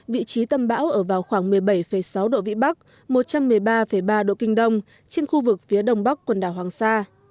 vị trí tâm bão ở vào khoảng một mươi bảy sáu độ vĩ bắc một trăm một mươi ba ba độ kinh đông trên khu vực phía đông bắc quần đảo hoàng sa